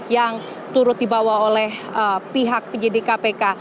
yang turut dibawa oleh pihak penyidik kpk